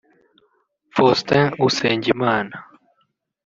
Faustin Usengimana